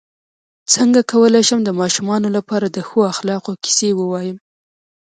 څنګه کولی شم د ماشومانو لپاره د ښو اخلاقو کیسې ووایم